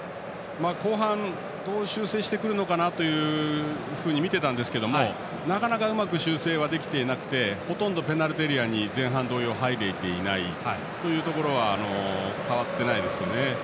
後半、どう修正してくるか見ていたんですがうまく修正できていなくてほとんどペナルティーエリアに前半同様、入れていないところは変わってないですね。